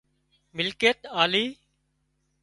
ملڪيت آلي